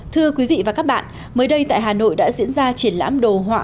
thưa quý vị và các bạn mới đây tại hà nội đã diễn ra triển lãm đồ họa